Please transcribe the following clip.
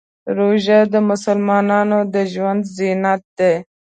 روژه د مسلمان د ژوند زینت دی.